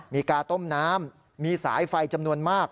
มีกาต้มน้ำมีสายไฟจำนวนมาก